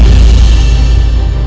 kamu percaya sama aku kan mas